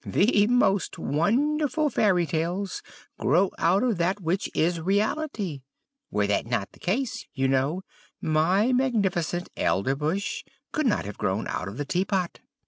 The most wonderful fairy tales grow out of that which is reality; were that not the case, you know, my magnificent Elderbush could not have grown out of the tea pot."